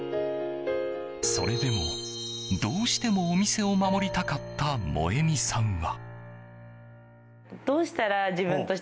それでも、どうしてもお店を守りたかった萌美さんは。